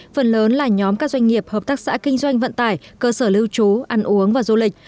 phần lớn là nhóm các doanh nghiệp hợp tác xã kinh doanh vận tải cơ sở lưu trú ăn uống và du lịch